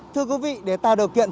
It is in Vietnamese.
thưa quý vị để tạo điều kiện